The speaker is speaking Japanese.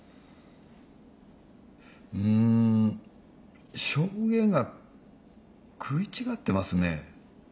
ん証言が食い違ってますね。